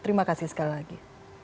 terima kasih sekali lagi